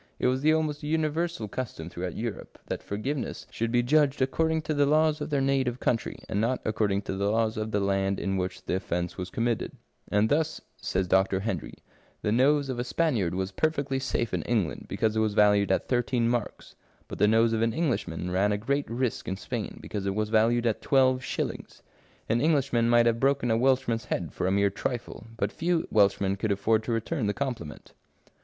It was the almost universal custom throughout Europe that forgiveness should 91 to pay custom Curiosities of Olden Times be judged according to the laws of their native country, and not according to the law of the land in which the offence was committed ; and " thus," says Dr. Henry, "the nose of a Spaniard was perfectly safe in England, because it was valued at thirteen marks, but the nose of an Englishman ran a great risk in Spain, because it was valued at twelve shillings. An Englishman might have broken a Welshman's head for a mere trifle, but few Welshmen could afford to return the compliment."